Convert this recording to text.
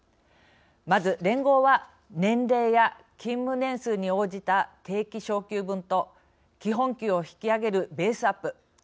まず、連合は年齢や勤務年数に応じた定期昇給分と基本給を引き上げるベースアップ。